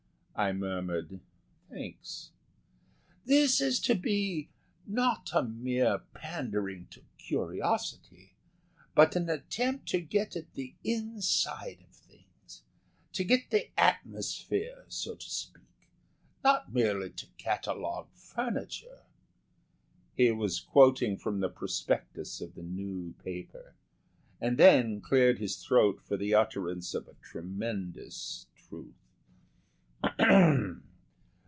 I murmured "Thanks." "This is to be not a mere pandering to curiosity but an attempt to get at the inside of things to get the atmosphere, so to speak; not merely to catalogue furniture." He was quoting from the prospectus of the new paper, and then cleared his throat for the utterance of a tremendous truth.